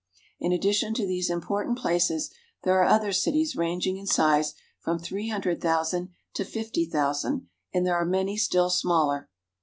In addition to these important places, there are other cities ranging in size from three hundred thousand to fifty thousand, and there are many still smaller.